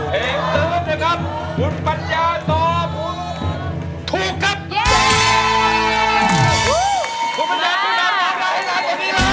หุ่นปัญญาต่อผู้ถูกครับร้องได้ให้ล้านตรงนี้ล้าน